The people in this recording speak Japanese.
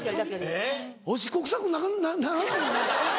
おしっこ臭くならないの？